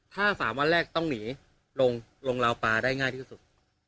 ถ้า๓วันแรกต้องหนีลงราวปลาได้ง่ายที่สุด